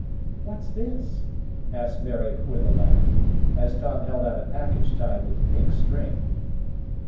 "What's this?" asked Mary, with a laugh, as Tom held out a package tied with pink string.